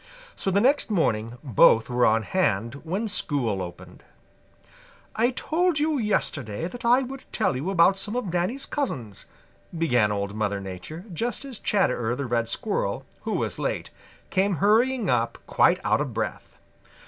So the next morning both were on hand when school opened. "I told you yesterday that I would tell you about some of Danny's cousins," began Old Mother Nature just as Chatterer the Red Squirrel, who was late, came hurrying up quite out of breath.